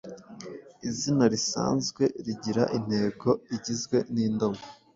Izina risanzwe rigira intego igizwe n’indomo